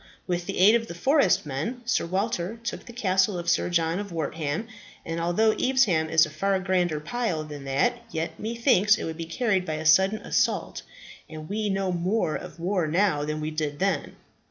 With the aid of the forest men, Sir Walter took the castle of Sir John of Wortham; and although Evesham is a far grander pile than that, yet methinks it could be carried by a sudden assault; and we know more of war now than we did then.